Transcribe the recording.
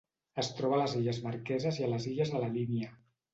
Es troba a les Illes Marqueses i les Illes de la Línia.